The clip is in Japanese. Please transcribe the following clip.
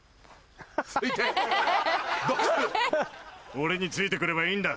俺についてくればいいんだ。